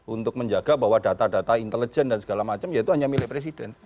untuk menjaga bahwa data data intelijen dan segala macam yaitu hanya milih presiden